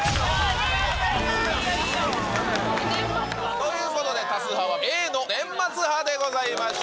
ということで、多数派はＡの年末派でございました。